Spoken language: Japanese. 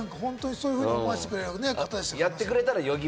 そういうふうに思わせてくれる方。